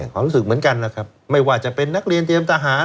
ความรู้สึกเหมือนกันนะครับไม่ว่าจะเป็นนักเรียนเตรียมทหาร